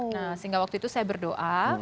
nah sehingga waktu itu saya berdoa